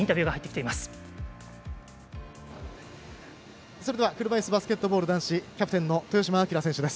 車いすバスケットボール男子キャプテンの豊島英選手です。